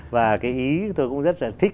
và cái ý tôi cũng rất là thích